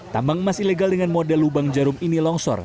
tambang emas ilegal dengan model lubang jarum ini longsor